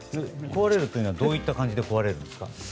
壊れるというのはどういった感じで壊れますか？